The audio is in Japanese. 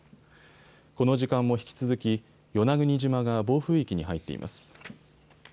この時間も引き続き与那国島が暴風域に入っています。